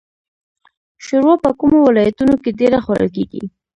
شوروا په کومو ولایتونو کې ډیره خوړل کیږي؟